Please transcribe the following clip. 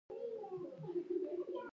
اوړه د خولې لاندې چپېږي